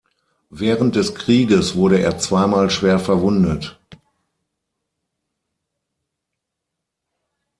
Während des Krieges wurde er zweimal schwer verwundet.